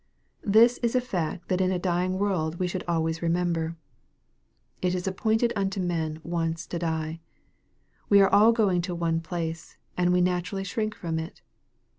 This is a fact that in a dying world we should always remember. It is appointed unto men once to die. We are all going to one place, and we naturally shrink from it.